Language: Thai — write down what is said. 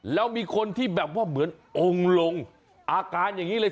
แล้วมีคนที่แบบว่าเหมือนองค์ลงอาการอย่างนี้เลย